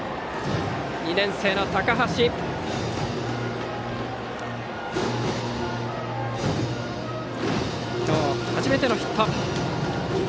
２年生の高橋は今日初めてのヒット。